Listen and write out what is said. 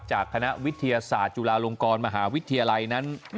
จากคณะวิทยาศาสตร์จุฬาลงกรมหาวิทยาลัยนั้น